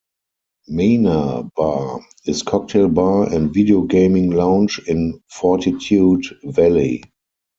Mana Bar is cocktail bar and video gaming lounge in Fortitude Valley.